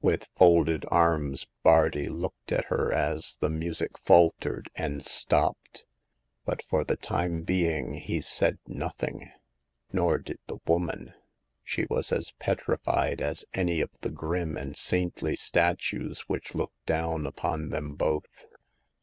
With folded arms Bardi looked at her as the music faltered and stopped ; but for the time being he said nothing. Nor did the woman ; she was as petrified as any of the grim and saintly statues which looked down upon them both.